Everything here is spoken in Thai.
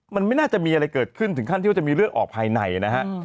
มันไม่น่าจะมีอะไรเกิดขึ้นถึงขั้นที่ว่าจะมีเลือดออกภายในนะฮะ